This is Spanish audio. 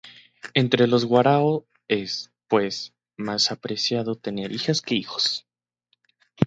Entre los Warao es, pues, más apreciado tener hijas que hijos.